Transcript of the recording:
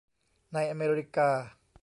ในอเมริกา